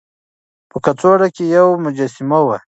په کڅوړه کې يوه مجسمه وه.